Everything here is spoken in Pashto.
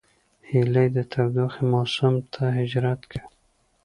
هیلۍ د تودوخې موسم ته هجرت کوي